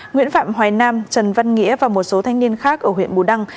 nguyễn phạm hoài nam trần văn nghĩa và một số thanh niên khác ở huyện bù đăng